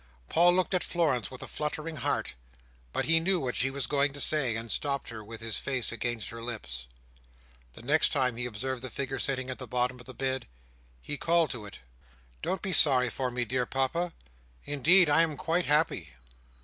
Paul looked at Florence with a fluttering heart, but he knew what she was going to say, and stopped her with his face against her lips. The next time he observed the figure sitting at the bottom of the bed, he called to it. "Don't be sorry for me, dear Papa! Indeed I am quite happy!"